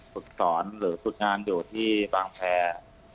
ฝุดสอนหรือฝุดงานอยู่ที่ปางแพร